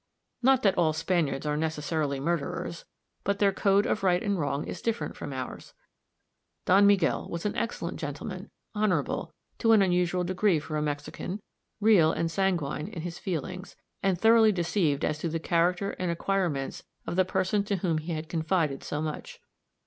Not that all Spaniards are necessarily murderers but their code of right and wrong is different from ours. Don Miguel was an excellent gentleman, honorable, to an unusual degree for a Mexican, real and sanguine in his feelings, and thoroughly deceived as to the character and acquirements of the person to whom he had confided so much.